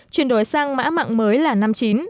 chuyển đổi sang mã mạng mới là năm mươi chín